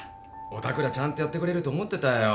お宅らちゃんとやってくれると思ってたよ。